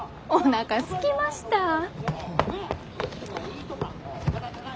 おなかすきました。